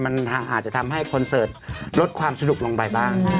มันอาจจะทำให้คอนเสิร์ตลดความสนุกลงไปบ้าง